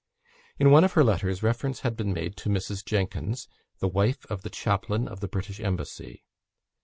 In one of her letters reference has been made to Mrs. Jenkins, the wife of the chaplain of the British Embassy.